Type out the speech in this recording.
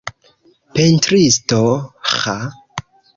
Pentristo, ĥa!..